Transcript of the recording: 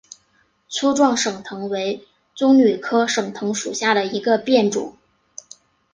粗壮省藤为棕榈科省藤属下的一个变种。